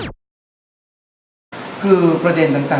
โทรศัพท์ครูปีชามีคล้ายเสียงด้วยเหรอค่ะ